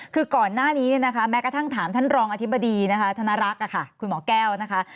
คือก่อนหน้านี้แม้กระทั่งถามท่านรองอธิบดีทนรักคุณหมอแก้วนะคะ